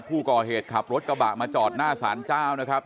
ผู้ก่อเหตุขับรถกระบะมาจอดหน้าสารเจ้านะครับ